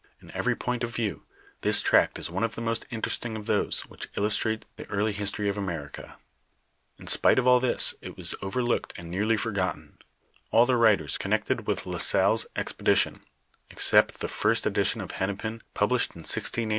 In every point of view, this tract is one of the most interesting of those, which illustrate the early history of America." In spite of all this it was overlooked and nearly forgotten ; all the writers connected with La Salle's expedition except the first edition of Hennepin, published in 1683, speak of Jolliet's voyage as a fiction.